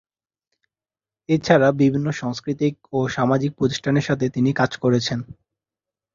এছাড়া বিভিন্ন সাংস্কৃতিক ও সামাজিক প্রতিষ্ঠানের সাথে তিনি কাজ করেছেন।